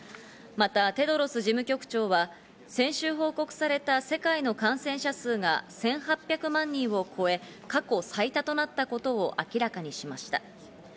また、テドロス事務局長は先週報告された世界の感染者数が１８００万人を超え、過去最多となったことを明らかにしました。